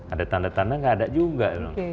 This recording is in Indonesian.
ada tanda tanda nggak ada juga